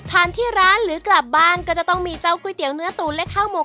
ทานที่ร้านหรือกลับบ้านก็ต้องมีเจ้ากุ้ยเตี๋ยวเนื้อตูน